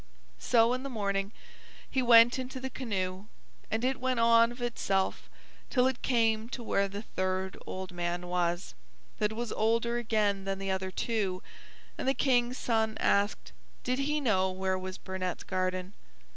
So in the morning, he went into the canoe, and it went on of itself till it came to where the third old man was, that was older again than the other two, and the King's son asked did he know where was Burnett's garden.